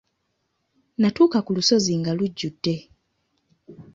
Natuuka ku lusozi nga lujjudde.